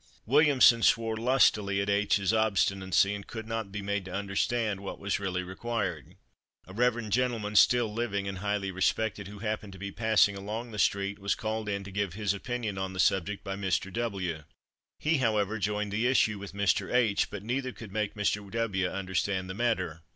Williamson swore lustily at H 's obstinacy, and could not be made to understand what was really required. A reverend gentleman, still living and highly respected, who happened to be passing along the street, was called in to give his opinion on the subject by Mr. W. He, however, joined issue with Mr. H , but neither could make Mr. W. understand the matter.